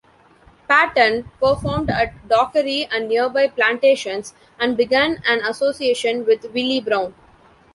Patton performed at Dockery and nearby plantations and began an association with Willie Brown.